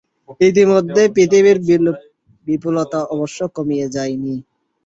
ইতিমধ্যে পৃথিবীর বিপুলতা অবশ্য কমিয়া যায় নাই।